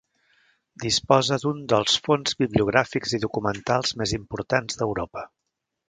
Disposa d'un dels fons bibliogràfics i documentals més importants d'Europa.